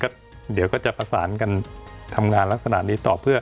ก็เดี๋ยวก็จะประสานกันทำงานลักษณะนี้ต่อเพื่อ